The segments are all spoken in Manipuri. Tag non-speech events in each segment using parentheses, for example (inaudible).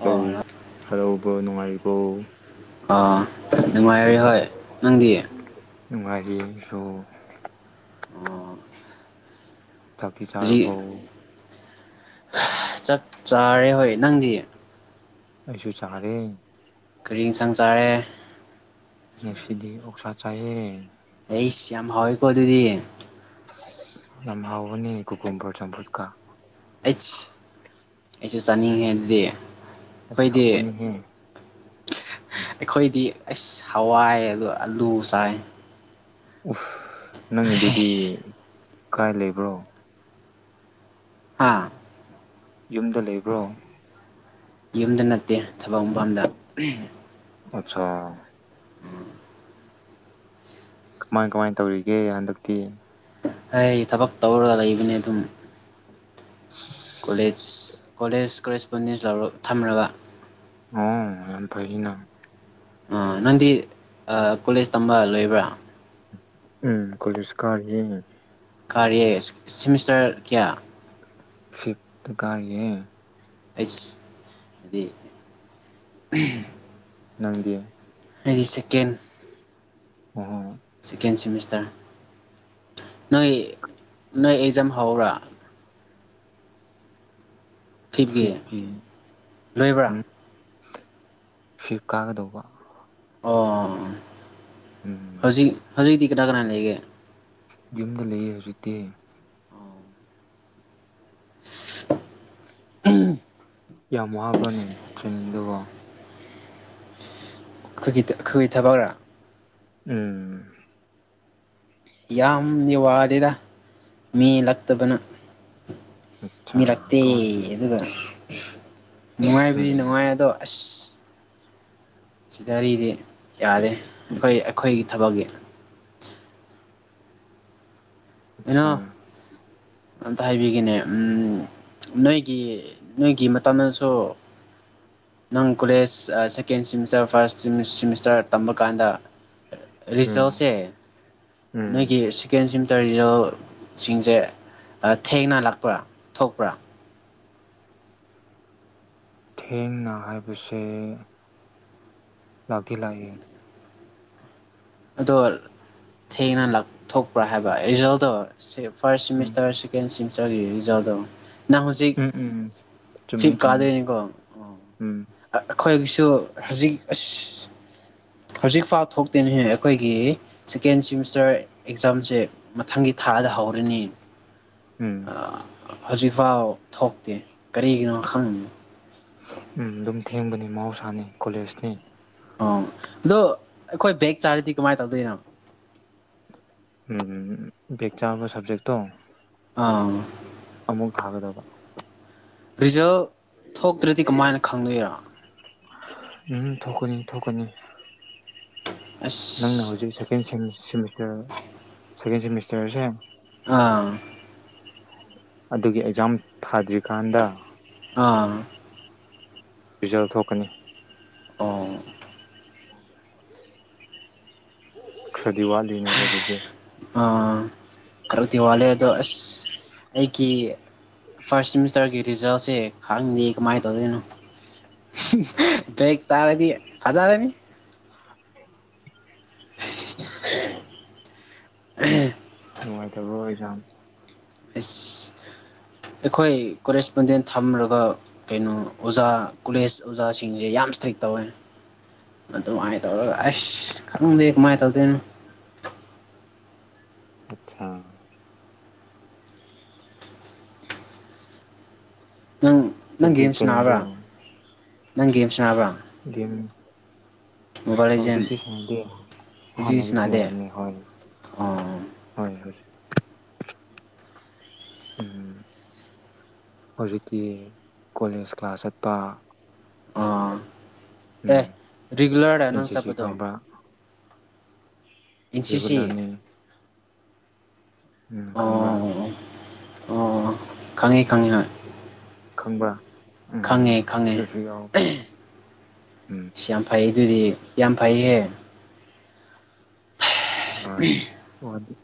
ꯕ꯭ꯔꯣ ꯍꯜꯂꯣ ꯕ꯭ꯔꯣ ꯅꯨꯡꯉꯥꯏꯔꯤꯕꯣ ꯑꯥ ꯅꯨꯡꯉꯥꯏꯔꯤ ꯍꯣꯏ ꯅꯪꯗꯤ ꯅꯨꯡꯉꯥꯏꯔꯤ ꯑꯩꯁꯨ ꯑꯣ ꯆꯥꯛꯇꯤ ꯆꯥꯔꯕꯣ ꯆꯛ ꯆꯥꯔꯦ ꯍꯣꯏ ꯅꯪꯗꯤ ꯑꯩꯁꯨ ꯆꯥꯔꯦ ꯀꯔꯤ ꯢꯟꯁꯥꯡ ꯆꯥꯔꯦ ꯉꯁꯤꯗꯤ ꯑꯣꯛꯁꯥ ꯆꯥꯏꯌꯦ ꯑꯩꯁ ꯌꯥꯝ ꯍꯥꯎꯋꯦꯀꯣ ꯑꯗꯨꯗꯤ ꯑꯁ ꯌꯥꯝ ꯍꯥꯎꯕꯅꯤ ꯀꯨꯀꯣꯝꯕꯣꯔ ꯆꯝꯐꯨꯠꯀ ꯑꯩꯁ ꯑꯩꯁꯨ ꯆꯥꯅꯤꯡꯉꯦ ꯑꯗꯨꯗꯤ ꯑꯁ ꯑꯩꯈꯣꯏꯗꯤ ꯍꯧꯕꯅꯤꯍꯦ ꯑꯁ ꯑꯩꯈꯣꯏꯗꯤ ꯍꯋꯥꯏ ꯑ ꯑꯥꯂꯨ ꯆꯥꯏ ꯎꯐ ꯅꯪꯒꯤꯗꯨꯗꯤ ꯀꯥꯏ ꯂꯩꯕ꯭ꯔꯣ ꯍꯥꯥ ꯌꯨꯝꯗ ꯂꯩꯕ꯭ꯔꯣ ꯌꯨꯝꯗ ꯅꯠꯇꯦ ꯊꯕꯛ ꯃꯪꯐꯝꯗ ꯑꯆꯥ ꯀꯃꯥꯏ ꯀꯃꯥꯏ ꯇꯧꯔꯤꯒꯦ ꯍꯟꯗꯛꯇꯤ ꯑꯩ ꯊꯕꯛ ꯇꯧꯔꯒ ꯂꯩꯕꯅꯦ ꯑꯗꯨꯝ ꯀꯣꯂꯦꯖ ꯀꯣꯂꯦꯖ ꯀꯣꯔꯔꯦꯁꯄꯣꯟꯗꯦꯟ ꯊꯝꯃꯒ ꯑꯣ ꯌꯥꯝ ꯐꯩꯅ ꯑ ꯅꯪꯗꯤ ꯑ ꯀꯣꯂꯦꯖ ꯇꯝꯕ ꯂꯣꯏꯕ꯭ꯔꯥ ꯎꯝ ꯀꯣꯂꯦꯖ ꯀꯥꯔꯤꯌꯦ ꯀꯥꯔꯤꯌꯦ ꯁꯤꯃꯤꯁꯇꯔ ꯀꯌꯥ ꯐꯤꯞ ꯇ ꯀꯥꯌꯦꯦ ꯑꯩꯁ ꯍꯥꯏꯗꯤ (unintelligible) ꯅꯪꯗꯤ ꯑꯩꯗꯤ ꯁꯦꯀꯦꯟ ꯑꯣ ꯁꯦꯀꯦꯟ ꯁꯤꯦꯃꯤꯁꯇꯔ ꯅꯣꯏ ꯅꯣꯏ ꯑꯦꯛꯖꯥꯝ ꯍꯧꯔꯥꯕ ꯐꯤꯞꯀꯤ ꯂꯣꯏꯕ꯭ꯔꯥ ꯎ ꯐꯤꯞ ꯀꯥꯒꯗꯧꯕ ꯑꯣ ꯎꯝ ꯍꯧꯖꯤꯛ ꯍꯧꯖꯤꯛꯇꯤ ꯀꯅꯥ ꯀꯅꯥ ꯂꯩꯒꯦ ꯌꯨꯝꯗ ꯂꯩꯌꯦ ꯍꯧꯖꯤꯛꯇꯤ ꯎꯝ ꯌꯥꯝ ꯋꯥꯕ꯭ꯔꯅꯦ ꯇ꯭ꯔꯦꯅꯤꯡꯗꯨꯕꯣ ꯑꯩꯈꯣꯏꯒꯤ ꯑꯩꯈꯣꯏꯒꯤ ꯊꯕꯛꯔꯥ ꯎꯝ ꯌꯥꯝꯗꯤ ꯋꯥꯗꯦꯗ ꯃꯤ ꯂꯛꯇꯕꯅꯤꯅ ꯑꯆꯥ ꯃꯤ ꯂꯥꯡꯇꯦ ꯀꯃꯥꯏ ꯑꯗꯨꯒ ꯅꯨꯡꯉꯥꯏꯕꯗꯤ ꯎꯝ ꯅꯨꯡꯉꯥꯏ ꯑꯗꯣ ꯑꯁ ꯁꯤꯗ ꯑꯩꯗꯤ ꯌꯥꯔꯦ ꯑꯩꯈꯣꯏ ꯑꯩꯈꯣꯏꯒꯤ ꯊꯕꯛꯀꯤ ꯀꯩꯅꯣ ꯑꯆꯥ ꯑꯝꯇ ꯍꯥꯏꯕꯤꯒꯅꯦ ꯅꯣꯏꯒꯤ ꯅꯣꯏꯒꯤ ꯃꯇꯝꯗꯁꯨ ꯅꯪ college second semester first semester ꯇꯝꯕ ꯀꯥꯟꯗ ꯎꯝ ꯔꯤꯖꯜꯁꯦ ꯎꯝ ꯅꯣꯏꯒꯤ ꯁꯦꯀꯦꯟ ꯁꯤꯃꯤꯁꯇꯔ ꯐꯤꯔꯣꯜ ꯁꯤꯡꯁꯦ ꯊꯦꯡꯅ ꯂꯛꯄ꯭ꯔꯥ ꯊꯣꯛꯄ꯭ꯔꯥ ꯊꯦꯡꯅ ꯍꯥꯏꯕꯁꯦ ꯂꯒ ꯂꯑꯌꯦ (unintelligible) ꯑꯗꯣ ꯊꯦꯡꯅ ꯂꯥꯛꯊꯣꯛꯄ꯭ꯔꯥ ꯍꯥꯏꯕ ꯔꯤꯖꯜꯗꯣ ꯐꯥꯔꯁ ꯎꯝ ꯁꯤꯃꯤꯁꯇꯔꯁꯤ ꯁꯦꯀꯦꯟ ꯁꯤꯃꯤꯁꯇꯔꯒꯤ ꯔꯤꯖꯜꯗꯣ ꯅꯪ ꯍꯧꯖꯤꯛ ꯎꯝ ꯎꯝ ꯎꯝ ꯆꯨꯝꯃꯦ ꯐ꯭ꯂꯤꯞ ꯆꯨꯝꯃꯦ ꯀꯥꯗꯣꯏꯅꯤꯀꯣ ꯎꯝ ꯑꯈꯣꯏꯒꯤꯁꯨ ꯍꯧꯖꯤꯛ ꯑꯁ ꯍꯧꯖꯤꯛ ꯐꯥꯎ ꯊꯣꯛꯇꯦꯅꯦꯍ ꯑꯈꯣꯏꯒꯤ ꯁꯦꯀꯦꯟ ꯁꯤꯃꯤꯁꯇꯔꯒꯤ ꯑꯦꯛꯖꯥꯝꯁꯦ ꯃꯊꯪꯒꯤ ꯊꯥꯗ ꯎꯝ ꯍꯧꯔꯅꯤ ꯎꯝ ꯑꯥꯑ ꯍꯧꯖꯤꯛ ꯐꯥꯎ ꯊꯣꯛꯇꯦ ꯀꯔꯤꯒꯤꯅꯣ ꯈꯪꯗꯦ ꯎꯝ ꯑꯗꯨꯝ ꯊꯦꯡꯕꯅꯤ ꯃꯍꯧꯁꯥꯅꯤ ꯀꯣꯂꯦꯖꯅꯤ ꯑꯣ ꯑꯗꯣ ꯑꯩꯈꯣꯏ ꯕꯦꯛ ꯆꯥꯔꯗꯤ ꯀꯃꯥꯏꯅ ꯇꯧꯗꯣꯏꯅꯣ ꯎꯪꯎꯪ ꯕꯦꯛ ꯆꯥꯕ ꯁꯕꯖꯦꯛꯇꯣ ꯑꯥꯑ ꯑꯃꯨꯛ ꯊꯥꯒꯗꯕ ꯔꯤꯖꯜ ꯊꯣꯛꯇ꯭ꯔꯗꯤ ꯀꯃꯥꯏꯅ ꯈꯪꯗꯣꯏꯔꯥ ꯎꯝ ꯊꯣꯛꯀꯅꯤ ꯊꯣꯛꯀꯅꯤ ꯅꯪꯅ ꯑꯁ ꯍꯧꯖꯤꯛ ꯁꯦꯀꯦꯟ ꯁꯤꯃꯤꯁꯇꯔ ꯁꯦꯀꯦꯟ ꯁꯦꯃꯤꯁꯇꯔꯖꯦ ꯑꯥꯑ ꯑꯗꯨꯒꯤ ꯑꯦꯛꯖꯥꯝ ꯊꯥꯗ꯭ꯔꯤꯀꯥꯟꯗ ꯑꯥꯑ ꯔꯤꯖꯜ ꯊꯣꯛꯀꯅꯤ ꯑꯧꯑꯣ ꯈꯔꯗꯤ ꯋꯥꯠꯂꯤꯅꯦꯕ ꯑꯗꯨꯗꯤ ꯑꯥꯑ ꯈꯔꯗꯤ ꯋꯥꯠꯂꯦ ꯑꯗꯣ ꯑꯥꯁ ꯑꯩꯒꯤ ꯐꯥꯔꯠꯁ ꯁꯤꯃꯤꯁꯇꯔꯒꯤ ꯔꯤꯖꯜꯁꯦ ꯈꯪꯗꯦ ꯀꯃꯥꯏꯅ ꯇꯧꯗꯣꯏꯅꯣ ꯕꯦꯛ ꯆꯥꯔꯗꯤ ꯐꯖꯔꯅꯤ INAUDIBLE ꯅꯨꯡꯉꯥꯏꯇꯕ꯭ꯔꯣ ꯑꯦꯛꯖꯥꯝ ꯑꯩꯁ ꯑꯩꯈꯣꯏ ꯀꯣꯔꯦꯁꯄꯣꯟꯗꯦꯟ ꯊꯝꯔꯒ ꯀꯩꯅꯣ ꯑꯣꯖꯥ ꯀꯣꯂꯦꯖ ꯑꯣꯖꯥꯁꯤꯡꯖꯦ ꯌꯥꯝ ꯏꯁꯇ꯭ꯔꯤꯛꯇ ꯇꯧꯋꯦ ꯑꯗꯨꯃꯥꯏꯅ ꯇꯧꯔꯒ ꯑꯥꯁ ꯈꯪꯗꯦ ꯀꯃꯥꯏꯅ ꯇꯧꯗꯣꯏꯅꯣ ꯑꯆꯁꯥ ꯅꯪ ꯅꯪ ꯑꯗꯨꯗꯤ ꯒꯦꯝ ꯀꯩꯅꯣꯗꯣ ꯁꯥꯟꯅꯕ꯭ꯔꯥ ꯅꯪ ꯒꯦꯝ ꯁꯟꯅꯕ꯭ꯔꯥ ꯒꯦꯝ ꯂꯦꯖꯦꯟ ꯍꯧꯖꯤꯛꯇꯤ ꯁꯥꯟꯅꯗꯦ ꯍꯧꯖꯤꯛꯇꯤ ꯑꯍꯥꯟꯕꯗꯗꯤ ꯁꯥꯟꯅꯗꯦ ꯁꯅꯔꯝꯃꯦ ꯍꯣꯏ ꯑꯣ ꯍꯣꯏ ꯍꯧꯖꯤꯛ ꯎꯝ ꯍꯧꯖꯤꯛꯇꯤ ꯀꯣꯂꯦꯖ ꯀ꯭ꯂꯥꯁ ꯆꯠꯄ ꯑꯥꯑ ꯑꯦ ꯎꯝ ꯔꯤꯒꯨꯂꯥꯔꯥ ꯑꯦꯟ ꯅꯪ ꯁꯤ ꯁꯤ ꯆꯠꯄꯗꯣ ꯈꯪꯕ꯭ꯔꯥ ꯔꯤꯒꯨꯂꯥꯔꯅꯤ ꯈꯪꯕ꯭ꯔꯥ ꯑꯥꯑꯣ ꯑꯥꯑꯣ ꯈꯪꯉꯤ ꯈꯪꯉꯤ ꯍꯣꯏ ꯈꯪꯕ ꯈꯪꯉꯦ ꯈꯪꯉꯦ ꯎꯝ ꯁꯤ ꯌꯥꯝ ꯐꯩ ꯑꯗꯨꯗꯤ ꯌꯥꯝ ꯐꯩꯌꯦ ꯍꯣꯏ ꯋꯥꯗꯤ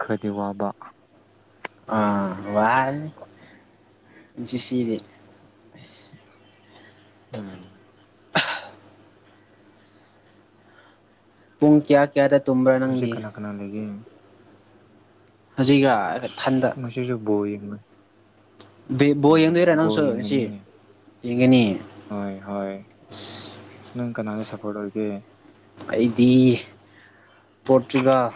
ꯈꯔꯗꯤ ꯋꯥꯕ UNINTELLIGIBLE ꯎꯝ ꯄꯨꯡ ꯀꯌꯥ ꯀꯌꯥꯗ ꯇꯨꯝꯕ꯭ꯔꯥ ꯍꯧꯖꯤꯛ ꯅꯪꯗꯤ ꯀꯅꯥ ꯀꯅꯥ ꯂꯩꯒꯦ ꯍꯨꯖꯤꯛꯔꯥ ꯑꯥꯁ ꯉꯁꯤꯖꯨ ꯕꯣꯜ ꯌꯦꯡꯕꯅꯤ ꯕꯣꯜ ꯎꯪꯎꯪ ꯌꯦꯡꯗꯣꯏꯔꯥ ꯕꯣꯜ ꯅꯪꯁꯨ ꯉꯁꯤ ꯌꯦꯡꯒꯅꯤꯅꯦ ꯌꯦꯡꯒꯅꯤ ꯍꯣꯏ ꯍꯣꯏ ꯅꯪ ꯀꯅꯥꯗ ꯁꯞꯄꯣꯔꯠ ꯑꯣꯏꯒꯦ ꯑꯩꯗꯤ ꯄꯣꯔꯇꯨꯒꯥꯜ꯫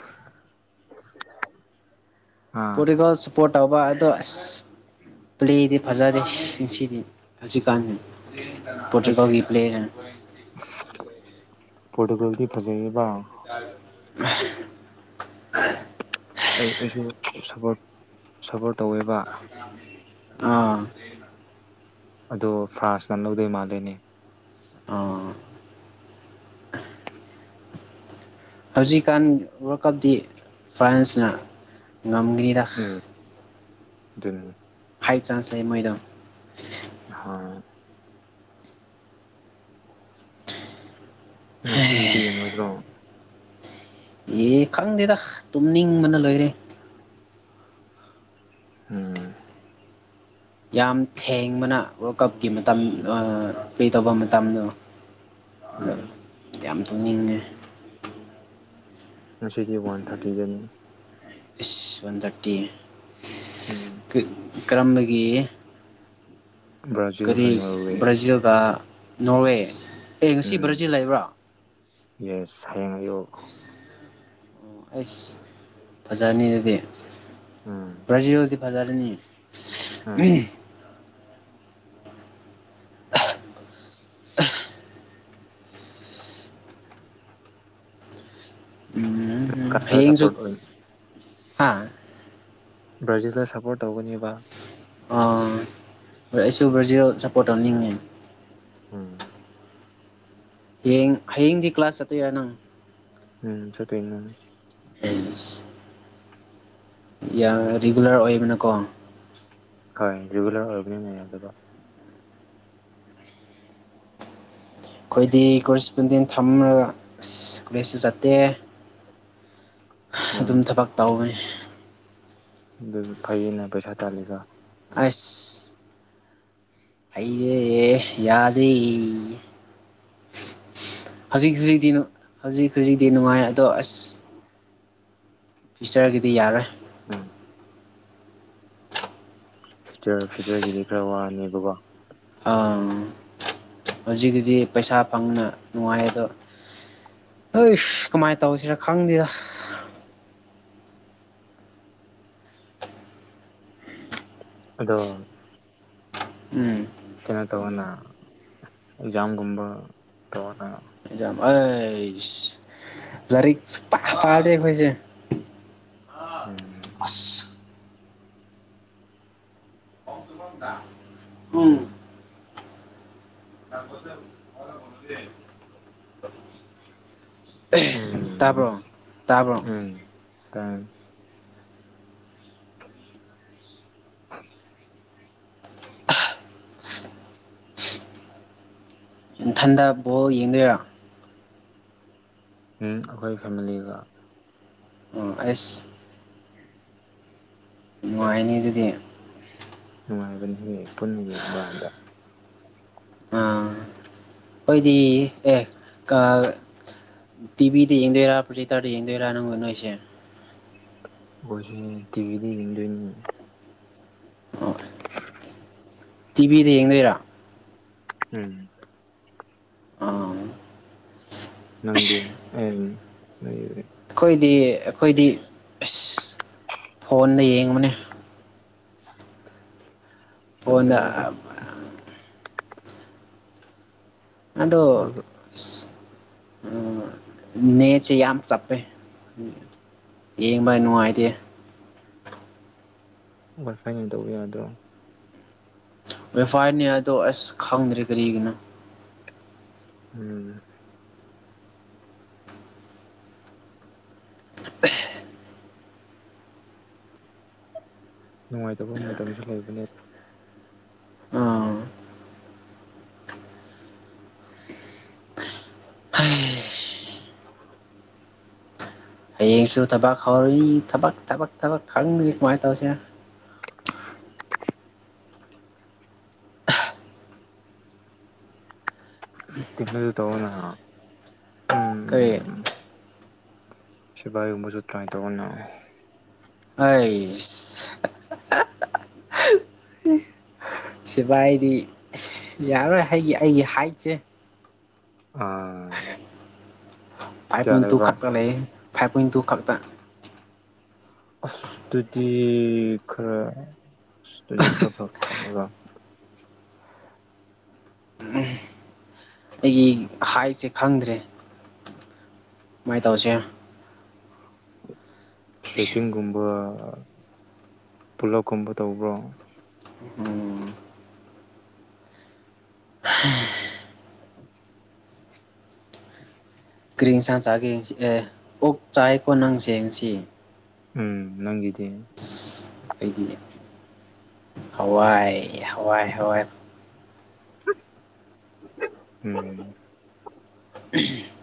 (inaudible) ꯑꯥ ꯄꯣꯔꯇꯨꯒꯥꯜ ꯁꯞ ꯄꯣꯔꯠ ꯇꯧꯕ ꯑꯗꯣ ꯑꯁ ꯄ꯭ꯂꯦꯗꯤ ꯐꯖꯗꯦ ꯁꯤꯁꯤꯗꯤ ꯍꯧꯖꯤꯛꯀꯥꯟꯗꯤ꯫ ꯑꯩꯁ ꯄꯣꯔꯇꯨꯒꯜꯒꯤ ꯄ꯭ꯂꯦꯖꯤ ꯄꯣꯔꯇꯨꯒꯜꯗꯤ ꯐꯖꯩꯌꯦꯕ꯫ ꯌꯥꯔꯤ (inaudible) ꯑꯩ ꯑꯩꯁꯨ ꯁꯥꯕꯣꯔꯠ ꯁꯕꯣꯔꯠ ꯇꯧꯋꯦꯕ꯫ ꯑꯥ ꯑꯗꯣ ꯐ꯭ꯔꯥꯟꯁꯅ ꯂꯧꯗꯣꯏ ꯃꯥꯜꯂꯦꯅꯦ꯫ ꯑꯥ ꯍꯧꯖꯤꯛꯀꯥꯟ ꯋꯥꯔꯜ ꯀꯞꯇꯤ ꯐ꯭ꯔꯥꯟꯁꯅ ꯉꯝꯒꯅꯤꯗ꯫ ꯎꯝ ꯗꯨꯅꯤ ꯫ ꯍꯥꯏ ꯆꯥꯟꯁ ꯂꯩꯌꯦ ꯃꯣꯏꯗꯣ ꯫ ꯍꯣꯏ ꯉꯁꯤꯒꯤꯗꯤ ꯌꯦꯡꯉꯣꯏꯗ꯭ꯔꯣ꯫ ꯑꯦ ꯈꯪꯗꯦꯗ ꯇꯨꯝꯅꯤꯡꯕꯅ ꯂꯣꯏꯔꯦ꯫ ꯎꯝ ꯌꯥꯝ ꯊꯦꯡꯕꯅ ꯋꯥꯔꯜ ꯀꯞꯀꯤ ꯃꯇꯝ ꯑꯥ ꯄ꯭ꯂꯦ ꯇꯧꯕ ꯃꯇꯝꯗꯣ꯫ ꯎꯝ ꯌꯥꯝ ꯇꯨꯝꯅꯤꯡꯉꯦ꯫ ꯉꯁꯤꯗꯤ ꯋꯥꯟꯊꯈꯤꯒꯅꯤ꯫ ꯏꯁ ꯋꯥꯟ ꯊꯔꯇꯤ ꯎꯝ ꯀ ꯀꯔꯝꯕꯒꯤ꯫ ꯕ꯭ꯔꯥꯖꯤꯜꯒ ꯀꯔꯤ ꯅꯣꯔꯋꯦ ꯕ꯭ꯔꯥꯖꯤꯜꯒ ꯅꯣꯔꯋꯦ ꯑꯦ ꯉꯁꯤ ꯎꯝ ꯕ꯭ꯔꯥꯖꯤꯜ ꯂꯩꯕ꯭ꯔꯥ ꯌꯦꯁ ꯍꯌꯦꯡ ꯑꯌꯨꯛ ꯑꯣ ꯑꯩꯁ ꯐꯖꯅꯤ ꯗꯨꯗꯤ ꯎꯝ ꯕ꯭ꯔꯥꯖꯤꯜꯗꯤ ꯐꯖꯔꯅꯤ꯫ ꯎꯝ ꯫ ꯀꯅꯥꯗ ꯍꯌꯦꯡꯖꯨ ꯁꯞꯄꯣꯔꯠ ꯑꯣꯏ ꯍꯥꯥ ꯕꯔ꯭ꯖꯤꯜꯗ ꯁꯞꯄꯣꯔꯠ ꯇꯧꯒꯅꯤꯕ꯫ ꯑꯥ ꯍꯣꯏ ꯑꯩꯁꯨ ꯕ꯭ꯔꯖꯤꯜ ꯁꯞꯄꯣꯔꯠ ꯇꯧꯅꯤꯡꯉꯦ꯫ ꯎꯝ ꯍꯌꯦꯡ ꯍꯌꯦꯡꯗꯤ ꯀ꯭ꯂꯥꯁ ꯆꯠꯇꯣꯏꯔꯥ ꯅꯪ꯫ ꯎꯝ ꯆꯠꯇꯣꯏꯅꯤ ꯫ ꯑꯦꯁ ꯫ ꯌꯥ ꯔꯤꯒꯨꯂꯔ ꯑꯣꯏꯕꯅꯀꯣ꯫ ꯍꯣꯏ ꯔꯤꯒꯨꯂꯔ ꯑꯣꯏꯕꯅꯤꯅ ꯌꯥꯗꯕ꯫ ꯈꯣꯏꯗꯤ ꯀꯣꯔꯦꯁꯄꯣꯟꯗꯦꯟ ꯊꯝꯔꯒ ꯑꯁ ꯀꯣꯂꯦꯖꯁꯨ ꯆꯠꯇꯦ꯫ ꯎꯝ ꯑꯗꯨꯝ ꯊꯕꯛ ꯇꯧꯋꯤ꯫ ꯗꯨ ꯐꯩꯌꯦꯅ ꯄꯩꯁꯥ ꯇꯥꯜꯂꯤꯒ ꯑꯁ ꯐꯩꯌꯦꯌꯦ ꯌꯥꯗꯤ꯫ ꯍꯧꯖꯤꯛ ꯍꯧꯖꯤꯛꯗꯤ ꯅꯨ ꯍꯧꯖꯤꯛ ꯍꯧꯖꯤꯛꯗꯤ ꯅꯨꯡꯉꯥꯏ ꯑꯗꯣ ꯑꯁ ꯐꯤꯆꯔꯒꯤꯗꯤ ꯌꯥꯔꯦ ꯎꯝ ꯐꯤꯌꯨꯆꯔ ꯐꯤꯌꯨꯆꯔꯒꯤꯗꯤ ꯈꯔꯥ ꯋꯥꯅꯦꯕꯕꯣ ꯑꯥ ꯍꯧꯖꯤꯛꯀꯤꯗꯤ ꯄꯩꯁꯥ ꯐꯪꯕꯅ ꯅꯨꯡꯉꯥꯏ ꯑꯗꯣ ꯑꯦꯁ ꯀꯃꯥꯏ ꯇꯧꯁꯤꯔꯥ ꯈꯪꯗꯦꯗ ꯑꯗꯣ ꯎꯝ ꯀꯩꯅꯣ ꯇꯧꯋꯣꯅ ꯑꯦꯛꯖꯥꯝꯒꯨꯝꯕ ꯇꯧꯋꯣꯅ ꯌꯥꯝ ꯑꯩꯁ ꯂꯥꯏꯔꯤꯛ ꯁꯨꯛꯄꯥ ꯄꯥꯗꯦ ꯑꯩꯈꯣꯏꯁꯦ ꯎꯝ ꯑꯁ ꯐꯧ ꯁꯨꯕꯝꯗ ꯎꯝ (inaudible) ꯎꯝ ꯇꯥꯕ꯭ꯔꯣ ꯇꯥꯕ꯭ꯔꯣ ꯎꯝ (unintelligible) (inaudible) ꯅꯊꯟꯗ ꯕꯣꯜ ꯌꯦꯡꯗꯣꯏꯔꯣ ꯎꯝ ꯑꯩꯈꯣꯏ ꯐꯦꯃꯤꯂꯤꯒ ꯎꯝ ꯑꯩꯁ ꯅꯨꯡꯉꯥꯏꯅꯤ ꯑꯗꯨꯗꯤ ꯅꯨꯡꯉꯥꯏꯕꯅꯤꯍꯦ ꯄꯨꯟꯅ ꯌꯦꯡꯕ ꯀꯥꯟꯗ ꯈꯣꯏꯗꯤ ꯑꯦ ꯀꯥ ꯇꯤꯚꯤꯗ ꯌꯦꯡꯗꯣꯏꯔꯥ ꯄ꯭ꯔꯣꯖꯦꯛꯇꯔꯗ ꯌꯦꯡꯗꯣꯏꯔꯥ ꯅꯪꯒ ꯅꯣꯏꯁꯦ ꯈꯣꯏꯁꯦ ꯇꯤꯚꯤꯗ ꯌꯦꯡꯗꯣꯏꯅꯤꯅꯦ ꯑꯣ (inaudible) ꯇꯤꯚꯤꯗ ꯌꯦꯡꯗꯣꯏꯔꯥ ꯎꯝ ꯑꯥ ꯅꯪꯗꯤ (inaudible) ꯑꯩꯈꯣꯏꯗꯤ ꯑꯩꯈꯣꯏꯗꯤ ꯑꯁ ꯐꯣꯟꯗ ꯌꯦꯡꯕꯅꯦ ꯆꯞ ꯐꯣꯟꯗ ꯃꯥꯟꯅꯩꯗ ꯑꯗꯣ ꯑꯗꯨꯒ ꯑꯁ ꯑꯥ ꯅꯦꯠꯁꯦ ꯌꯥꯝ ꯆꯞꯄꯦ ꯌꯦꯡꯕ ꯅꯨꯡꯉꯥꯏꯇꯦ ꯋꯥꯏ ꯐꯥꯏꯅ ꯇꯧꯕ ꯌꯥꯗ꯭ꯔꯣ ꯋꯥꯏ ꯐꯥꯏ ꯅꯦ ꯑꯗꯣ ꯑꯁ ꯈꯪꯗ꯭ꯔꯦ ꯀꯔꯤꯒꯤꯅꯣ ꯎꯝ ꯅꯨꯡꯉꯥꯏꯇꯕ ꯃꯇꯝꯁꯨ ꯂꯩꯕꯅꯦ ꯑꯥ ꯍꯩꯁ ꯍꯌꯦꯡꯁꯨ ꯊꯕꯛ ꯍꯧꯔꯅꯤ ꯊꯕꯛ ꯊꯕꯛ ꯊꯕꯛ ꯈꯪꯗ꯭ꯔꯤ ꯀꯃꯥꯏ ꯇꯧꯁꯤꯔꯥ (unintelligible) ꯇꯧꯋꯣꯅ ꯀꯔꯤ ꯎꯝ ꯁꯤꯕꯥꯏ ꯒꯨꯝꯕꯁꯨ ꯇ꯭ꯔꯥꯏ ꯇꯧꯑꯣꯅ ꯍꯥꯏꯁ ꯁꯤꯕꯥꯏꯗꯤ ꯌꯥꯔꯣꯏ ꯑꯩꯒꯤ ꯑꯩꯒꯤ ꯍꯥꯏꯠꯁꯦ ꯑꯥ ꯐꯥꯏꯚ ꯀꯌꯥ ꯄꯣꯏꯟ ꯇꯨ ꯂꯩꯕ ꯈꯛꯇ ꯂꯩꯌꯦ ꯐꯥꯏꯚ ꯄꯣꯏꯟ ꯇꯨ ꯈꯛꯇꯪ ꯑꯁ ꯇꯨꯗꯤ ꯈꯔ ꯥ ꯑꯁ ꯇꯨꯗꯤ ꯈꯔꯥ ꯐꯔꯛꯇꯅꯦꯕ ꯑꯩꯒꯤ ꯍꯥꯏꯠꯁꯦ ꯈꯪꯗ꯭ꯔꯦ ꯀꯃꯥꯏ ꯇꯧꯁꯤꯌꯦ ꯁꯣꯏꯆꯤꯟꯒꯨꯝꯕ ꯄꯨꯂꯞꯀꯨꯝꯕ ꯇꯧꯕ꯭ꯔꯣ ꯎꯝ ꯀꯔꯤꯏꯟꯁꯥꯡ ꯆꯥꯒꯦ ꯉꯁꯤ ꯑꯦ ꯑꯣꯛ ꯆꯥꯏꯀꯣ ꯅꯪꯁꯦ ꯉꯁꯤ ꯎꯝ ꯅꯪꯒꯤꯗꯤ ꯑꯩꯗꯤꯅꯦ ꯍꯋꯥꯏ ꯍꯋꯥꯏ ꯍꯋꯥꯏ ꯎꯝ (inaudible)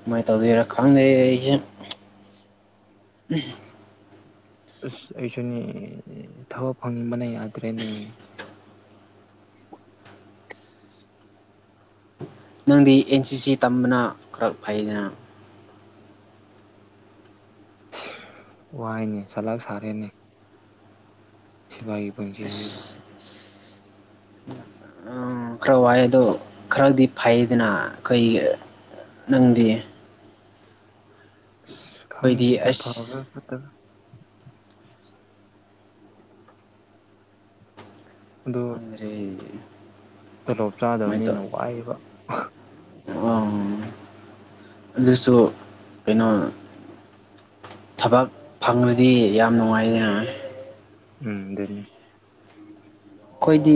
ꯀꯃꯥꯏ ꯇꯧꯗꯣꯏꯔ ꯈꯪꯗꯦ ꯑꯩꯁꯦ ꯑꯁ ꯑꯩꯁꯨꯅꯦ ꯊꯕꯛ ꯐꯪꯅꯤꯡꯕꯅ ꯌꯥꯗ꯭ꯔꯦꯅꯦ ꯅꯪꯗꯤ ꯑꯦꯟ ꯁꯤ ꯁꯤ ꯇꯝꯕꯅ ꯈꯔ ꯐꯩꯗꯅ ꯋꯥꯏꯅꯦ ꯁꯂꯥꯛ ꯁꯥꯔꯦꯅꯦ ꯁꯤꯐꯥꯏꯒꯤ ꯄꯨꯟꯁꯤꯁꯤꯁꯨ ꯑꯁ ꯈꯔ ꯋꯥꯏ ꯑꯗꯣ ꯈꯔꯗꯤ ꯐꯩꯗꯅ ꯑꯩꯈꯣꯏ ꯅꯪꯗꯤ ꯑꯁ ꯑꯩꯈꯣꯏꯗꯤ ꯈꯪꯗꯦꯗ ꯐꯕ꯭ꯔ ꯑꯁ ꯐꯠꯇꯕ꯭ꯔ (inaudible) ꯑꯗꯣ (unintelligible) ꯇꯣꯂꯣꯞ ꯀꯃꯥꯏꯅ ꯆꯥꯗꯕꯅꯤꯅ ꯇꯧ ꯋꯥꯏꯕ ꯑꯗꯨꯁꯨ ꯀꯩꯅꯣ ꯊꯕꯛ ꯐꯪꯕꯗꯤ ꯌꯥꯝ ꯅꯨꯡꯉꯥꯏꯌꯦ ꯎꯝ ꯑꯗꯨꯅꯦ ꯑꯩꯈꯣꯏꯗꯤ